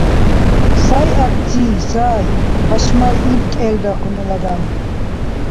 — Сай ацци, сай! — пашмай иб кӏелра хьунул адамли.